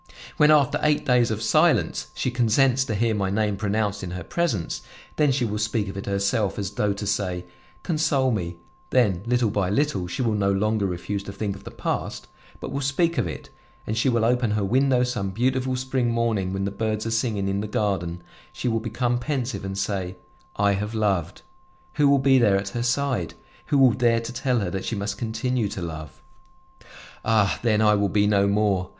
When, after eight days of silence, she consents to hear my name pronounced in her presence, then she will speak of it herself as though to say: 'Console me;' then little by little she will no longer refuse to think of the past but will speak of it, and she will open her window some beautiful spring morning when the birds are singing in the garden; she will become pensive and say: 'I have loved!' Who will be there at her side? Who will dare to tell her that she must continue to love? Ah! then I will be no more!